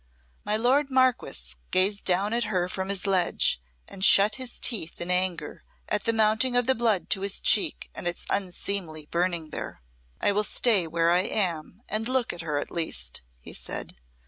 My lord Marquess gazed down at her from his ledge and shut his teeth in anger at the mounting of the blood to his cheek and its unseemly burning there. "I will stay where I am and look at her, at least," he said.